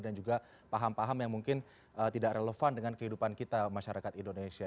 dan juga paham paham yang mungkin tidak relevan dengan kehidupan kita masyarakat indonesia